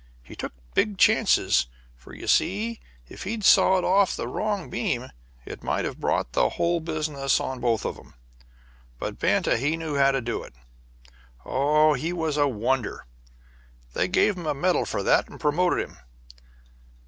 He took big chances, for, you see, if he'd sawed off the wrong beam it might have brought down the whole business on both of them. But Banta he knew how to do it. Oh, he was a wonder! They gave him the medal for that, and promoted him.